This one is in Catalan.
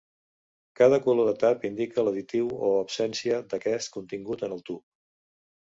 Cada color de tap indica l'additiu, o absència d'aquest, contingut en el tub.